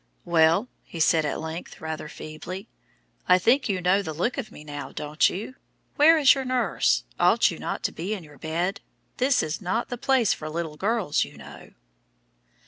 "Well," he said at length, rather feebly, "I think you know the look of me now, don't you? Where is your nurse? Ought you not to be in your bed? This is not the place for little girls, you know."